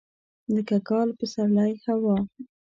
لکه کال، پسرلی، هوا.